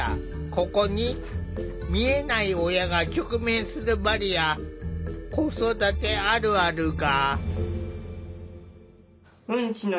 ここに見えない親が直面するバリア子育てあるあるが！